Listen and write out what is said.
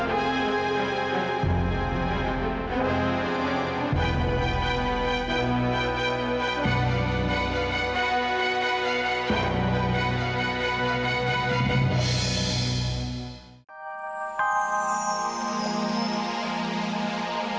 terima kasih bu